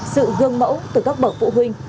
sự gương mẫu từ các bậc phụ huynh